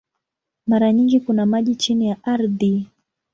Mara nyingi kuna maji chini ya ardhi.